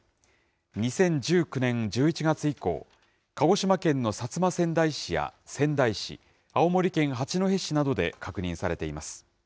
２０１９年１１月以降、鹿児島県の薩摩川内市や仙台市、青森県八戸市などで確認されています。